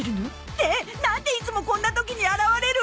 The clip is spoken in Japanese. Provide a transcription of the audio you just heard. ってなんでいつもこんな時に現れる！？